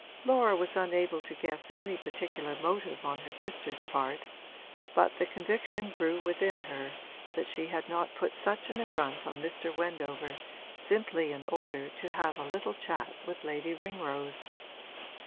Laura was unable to guess any particular motive on her sister's part, but the conviction grew within her that she had not put such an affront on Mr. Wendover simply in order to have a little chat with Lady Ringrose.